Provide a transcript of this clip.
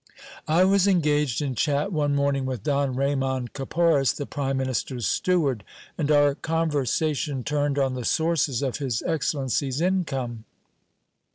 I was engaged in chat one morning with Don Raymond Caporis, the prime minister's steward, and our conversation turned on the sources of his excel lency's income.